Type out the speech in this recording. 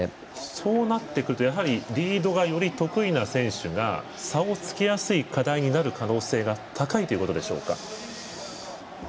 そうなってくると、やはりリードが、より得意な選手が差をつけやすい課題になる可能性が高いということでしょうか。